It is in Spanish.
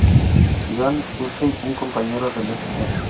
Joan Hussey, un compañero del St.